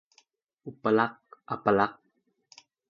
อุปลักษณ์-อัปลักษณ์